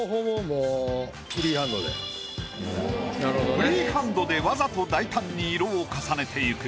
フリーハンドでわざと大胆に色を重ねていく。